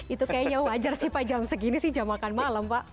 itu kayaknya wajar sih pak jam segini sih jam makan malam pak